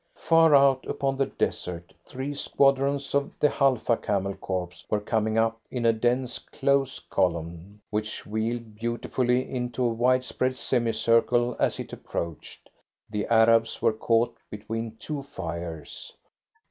Far out upon the desert, three squadrons of the Halfa Camel Corps were coming up in a dense close column, which wheeled beautifully into a widespread semicircle as it approached. The Arabs were caught between two fires.